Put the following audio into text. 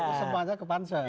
semuanya ke pansel